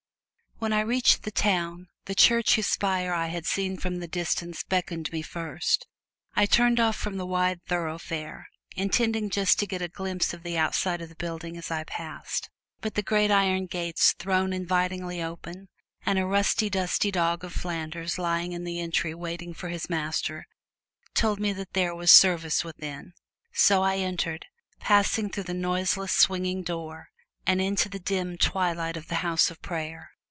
When I reached the town, the church whose spire I had seen from the distance beckoned me first. I turned off from the wide thoroughfare, intending just to get a glance at the outside of the building as I passed. But the great iron gates thrown invitingly open, and a rusty, dusty dog of Flanders lying in the entry waiting for his master, told me that there was service within. So I entered, passing through the noiseless, swinging door, and into the dim twilight of the house of prayer.